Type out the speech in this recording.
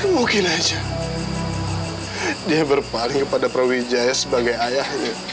mungkin saja dia berpaling kepada prawijaya sebagai ayahnya